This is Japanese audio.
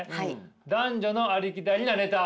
「男女のありきたりなネタ」。